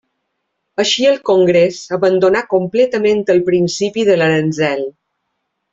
Així el Congrés abandonà completament el principi de l'aranzel.